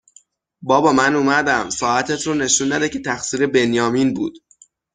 بابا من اومدم. ساعتت رو نشون نده که تقصیر بنیامین بود!